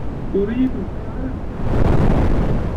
Ur yi-tewqiε ara deg ayen qqaren medden.